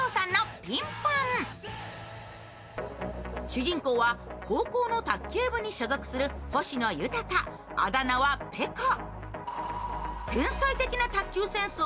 主人公は高校の卓球部に所属する星野裕、あだ名はペコ。